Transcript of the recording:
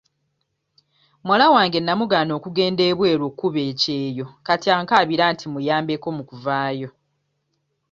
Muwala wange namugaana okugenda ebweru okkuba ekyeyo kati ankaabira nti mmuyambeko mu kuvaayo.